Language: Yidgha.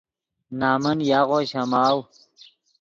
نَمن یاغو شَماؤ